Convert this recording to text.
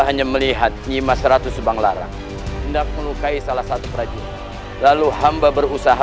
hanya melihat nyimah seratus ubang larang tidak melukai salah satu prajurit lalu hamba berusaha